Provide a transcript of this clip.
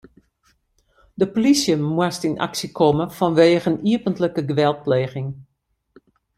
De polysje moast yn aksje komme fanwegen iepentlike geweldpleging.